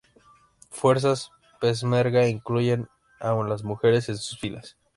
Fuerzas Peshmerga incluyen a las mujeres en sus filas.